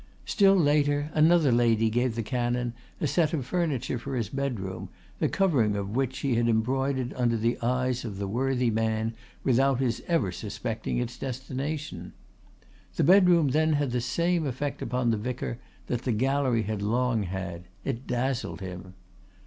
Still later, another lady gave the canon a set of furniture for his bedroom, the covering of which she had embroidered under the eyes of the worthy man without his ever suspecting its destination. The bedroom then had the same effect upon the vicar that the gallery had long had; it dazzled him.